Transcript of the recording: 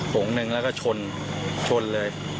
งงหนึ่งแล้วก็ชนชนเลย